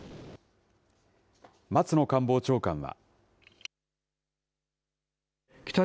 松野官房長官は。